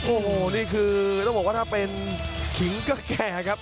โอ้โหนี่คือต้องบอกว่าถ้าเป็นขิงก็แก่ครับ